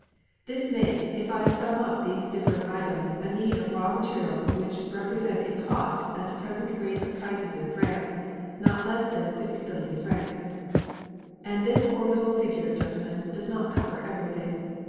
"This makes, if I sum up these different items, a need of raw material which represents in cost, at the present rate of prices in France, not less than 50,000,000,000 francs. "And this formidable figure, gentlemen, does not cover everything.